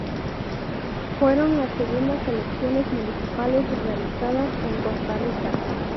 Fueron las segundas elecciones municipales realizadas en Costa Rica.